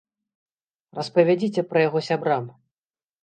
Распавядзіце пра яго сябрам!